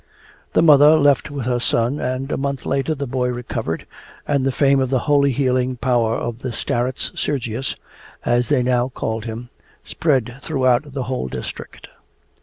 The mother left with her son, and a month later the boy recovered, and the fame of the holy healing power of the starets Sergius (as they now called him) spread throughout the whole district.